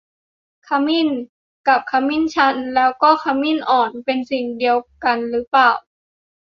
ขมิ้น กับขมิ้นชัน แล้วก็ขมิ้นอ่อน เป็นสิ่งเดียวกันหรือเปล่า